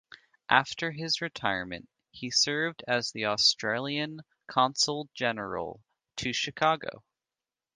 After his retirement, he served as the Australian Consul-General to Chicago.